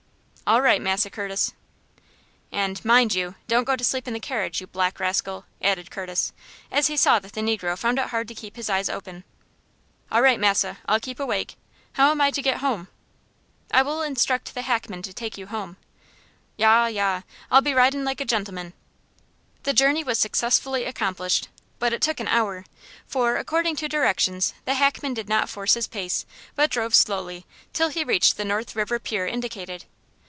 "All right, Massa Curtis." "And, mind you, don't go to sleep in the carriage, you black rascal!" added Curtis, as he saw that the negro found it hard to keep his eyes open. "All right, massa, I'll keep awake. How am I to get home?" "I will instruct the hackman to take you home." "Yah, yah; I'll be ridin' like a gentleman!" The journey was successfully accomplished, but it took an hour, for, according to directions, the hackman did not force his pace, but drove slowly, till he reached the North River pier indicated.